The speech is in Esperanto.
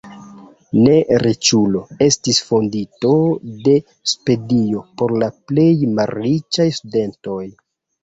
Ne riĉulo estis fondinto de stipendio por la plej malriĉaj studentoj.